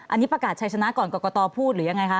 อันนี้ประกาศชัยชนะก่อนกรกตพูดหรือยังไงคะ